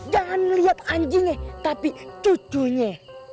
jangan lihat anjingnya tapi cucunya